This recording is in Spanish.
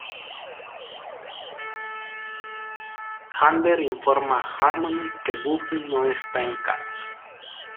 Xander informa a Harmony que Buffy no está en casa.